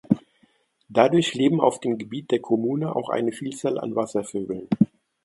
Dadurch leben auf dem Gebiet der Kommune auch eine Vielzahl an Wasservögeln.